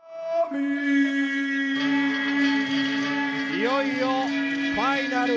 いよいよファイナル。